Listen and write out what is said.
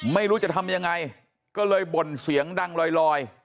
ไม่รู้จะทำยังไงก็เลยบ่นเสียงดังลอย